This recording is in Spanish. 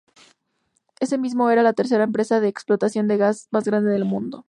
Ese mismo era la tercera empresa de explotación de gas más grande del mundo.